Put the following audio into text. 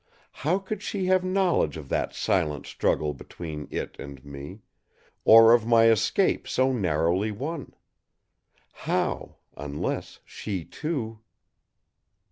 How could she have knowledge of that silent struggle between It and me, or of my escape so narrowly won. How, unless she too